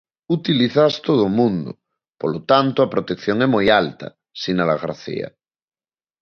Utilízaas todo o mundo, polo tanto a protección é moi alta, sinala García.